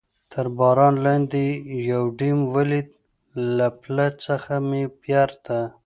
تر باران لاندې یوډین ولید، له پله څخه مې بېرته.